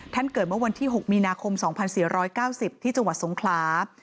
เกิดเมื่อวันที่๖มีนาคม๒๔๙๐ที่จังหวัดสงขลา